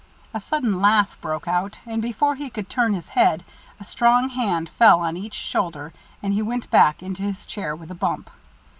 A sudden laugh broke out, and before he could turn his head, a strong hand fell on each shoulder and he went back into his chair with a bump.